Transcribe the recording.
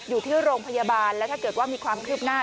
อยู่ที่โรงพยาบาลแล้วถ้าเกิดว่ามีความคืบหน้า